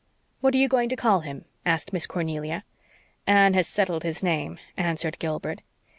"What are you going to call him?" asked Miss Cornelia. "Anne has settled his name," answered Gilbert.